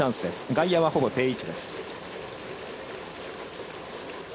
外野はほぼ定位置です。